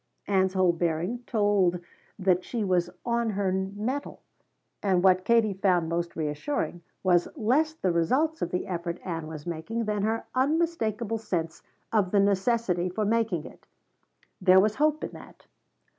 Ann's whole bearing told that she was on her mettle. And what Katie found most reassuring was less the results of the effort Ann was making than her unmistakable sense of the necessity for making it. There was hope in that.